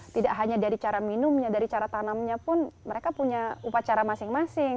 tidak hanya dari cara minumnya dari cara tanamnya pun mereka punya upacara masing masing